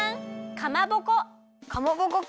かまぼこか。